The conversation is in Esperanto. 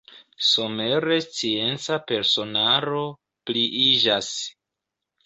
Somere scienca personaro pliiĝas.